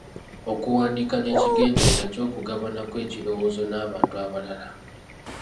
Okuwandiika n’ekigendererwa ky’okugabanako ekirowoozo n’abantu abalala.